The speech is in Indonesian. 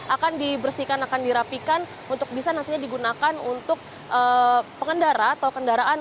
akan dibersihkan akan dirapikan untuk bisa nantinya digunakan untuk pengendara atau kendaraan